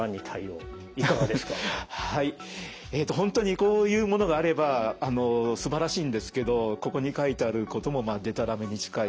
本当にこういうものがあればすばらしいんですけどここに書いてあることもでたらめに近い。